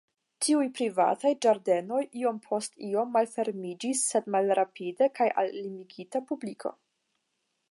Tiuj privataj ĝardenoj iom post iom malfermiĝis sed malrapide kaj al limigita publiko.